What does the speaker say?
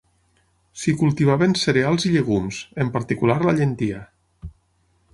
S'hi cultivaven cereals i llegums, en particular la llentia.